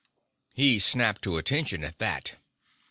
He snapped to attention at that.